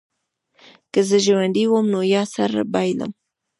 که زه ژوندی وم نو یا سر بایلم.